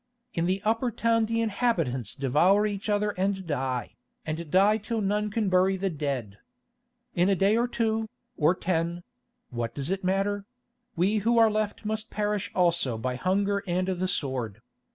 In the upper town the inhabitants devour each other and die, and die till none can bury the dead. In a day or two, or ten—what does it matter?—we who are left must perish also by hunger and the sword.